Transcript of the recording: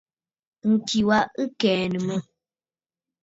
Ŋ̀ki wa ɨ kɛ̀ɛ̀nə̀ mə̂.